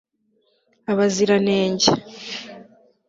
abaziranenge